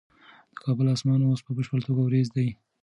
د کابل اسمان اوس په بشپړه توګه وریځ دی.